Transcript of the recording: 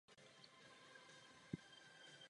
Tento požár zničil onu budovu i výzkumné zařízení.